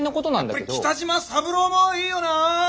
やっぱり北島三郎もいいよな！